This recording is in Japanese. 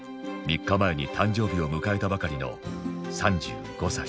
３日前に誕生日を迎えたばかりの３５歳